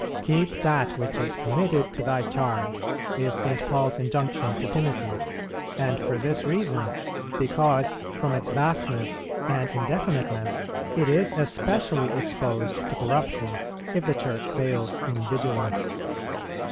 Keep that which is committed to thy charge, is St. Paul's injunction to Timothy; and for this reason, because from its vastness and indefiniteness it is especially exposed to corruption, if the Church fails in vigilance.